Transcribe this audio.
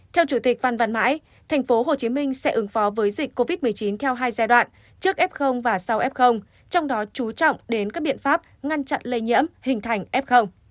theo chủ tịch văn văn mãi thành phố hồ chí minh sẽ ứng phó với dịch covid một mươi chín theo hai giai đoạn trước f và sau f trong đó chú trọng đến các biện pháp ngăn chặn lây nhiễm hình thành f